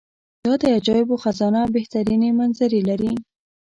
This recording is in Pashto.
دا د عجایبو خزانه بهترینې منظرې لري.